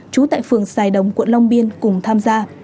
trú tại phường sài đồng quận long biên cùng tham gia